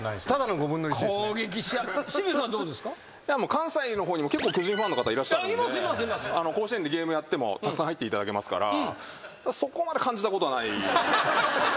関西の方にも結構巨人ファンの方いらっしゃるんで甲子園でゲームやってもたくさん入っていただけますからそこまで感じたことはない。